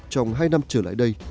trong hai năm trở lại đây